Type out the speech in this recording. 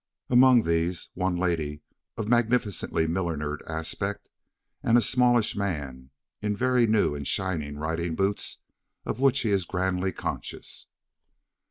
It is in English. Among these, one lady of magnificently millinered aspect, and a smallish man in very new and shiny riding boots, of which he is grandly conscious.